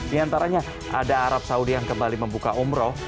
di antaranya ada arab saudi yang kembali membuka umroh